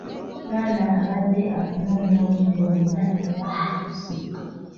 Maama abadde akunoonya obudde bwonna era akusse.